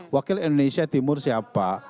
wakil indonesia timur siapa